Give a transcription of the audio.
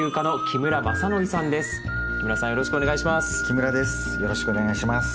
木村さんよろしくお願いします。